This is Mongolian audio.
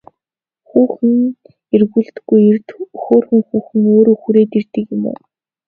Хүүхэн эргүүлдэггүй эрд хөөрхөн хүүхэн өөрөө хүрээд ирдэг юм уу?